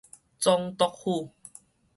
總督府